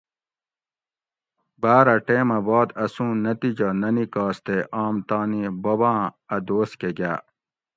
باۤر اۤ ٹیمہ باد اسوں نتیجہ نہ نِکاس تے آم تانی بباں اۤ دوس کہ گاۤ